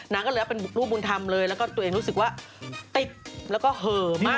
ก็เลยเอาเป็นบุกลูกบุญธรรมเลยแล้วก็ตัวเองรู้สึกว่าติดแล้วก็เหอะมาก